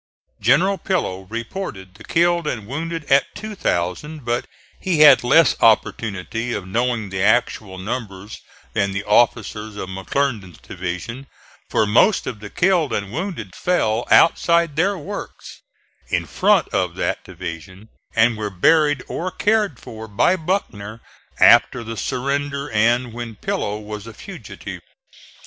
General Pillow reported the killed and wounded at 2,000; but he had less opportunity of knowing the actual numbers than the officers of McClernand's division, for most of the killed and wounded fell outside their works, in front of that division, and were buried or cared for by Buckner after the surrender and when Pillow was a fugitive.